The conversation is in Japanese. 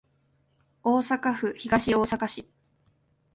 大阪府東大阪市